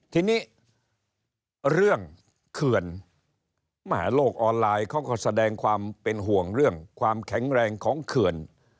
ทีนี้เรื่องเขื่อนโลกออนไลน์เขาก็แสดงความเป็นห่วงเรื่องความแข็งแรงของเขื่อน